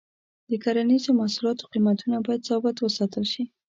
د کرنیزو محصولاتو قیمتونه باید ثابت وساتل شي.